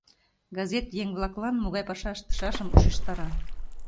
Газет еҥ-влаклан могай паша ыштышашым ушештара.